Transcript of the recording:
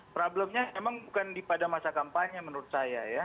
problemnya memang bukan pada masa kampanye menurut saya ya